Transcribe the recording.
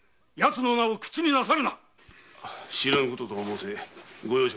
知らぬとは申せご容赦